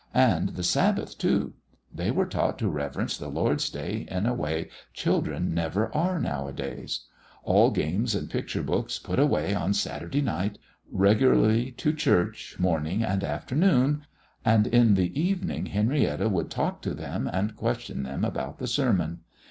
And the Sabbath, too. They were taught to reverence the Lord's day in a way children never are nowadays. All games and picture books put away on Saturday night; regularly to church morning and afternoon, and in the evening Henrietta would talk to them and question them about the sermon.